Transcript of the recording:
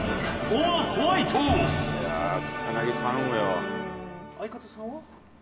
いや草薙頼むよ。